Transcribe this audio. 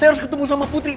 saya harus ketemu sama putri